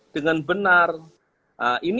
dengan benar ini